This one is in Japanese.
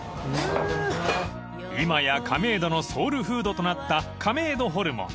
［今や亀戸のソウルフードとなった亀戸ホルモン］